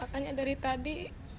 makanya dari tadi